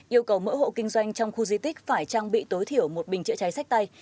yêu cầu mỗi hộ kinh doanh trong khu di tích phải trang bị tối thiểu một bình chữa cháy sách tay